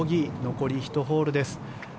残り１ホールです。